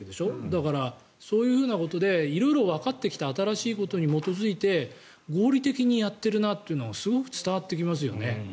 だから、そういうことで色々わかってきた新しいことに基づいて合理的にやってるなってのがすごく伝わってきますよね。